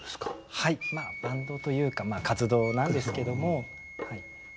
はいバンドというか活動なんですけども。